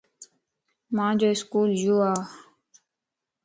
مانجو اسڪول يو ا